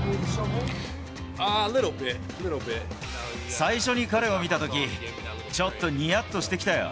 最初に彼を見たとき、ちょっとにやっとしてきたよ。